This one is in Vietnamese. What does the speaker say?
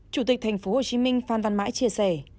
chủ tịch tp hcm phan văn mãi chia sẻ